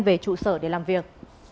về trụ sở để làm việc